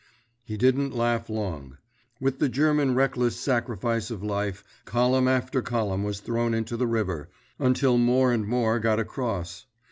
He didn't laugh long. With the German reckless sacrifice of life, column after column was thrown into the river, until more and more got across.